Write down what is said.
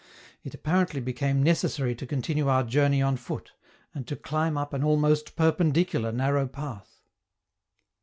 It apparently became necessary to continue our journey on foot, and to climb up an almost perpendicular narrow path.